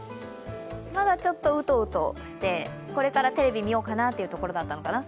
まだちょっとウトウトしてこれからテレビを見ようかなというところだったのかな。